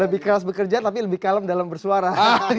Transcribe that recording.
lebih keras bekerja tapi lebih kalem dalam bersuara